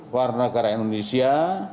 warna kera indonesia